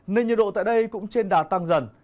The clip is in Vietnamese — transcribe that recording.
nên nhiệt độ tại đây cũng trên đà tăng dần